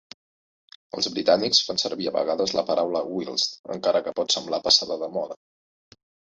Els britànics fan servir a vegades la paraula whilst, encara que pot semblar passada de moda.